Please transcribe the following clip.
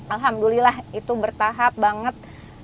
alhamdulillah itu bertahap banget